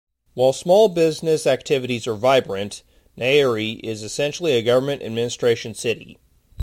While small business activities are vibrant, Nyeri is essentially a government administration city.